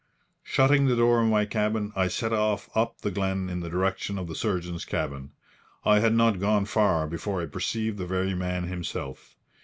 Shutting the door of my cabin, I set off up the glen in the direction of the surgeon's cabin. I had not gone far before I perceived the very man himself.